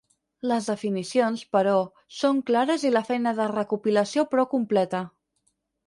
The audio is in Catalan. Les definicions, però, són clares i la feina de recopilació prou completa.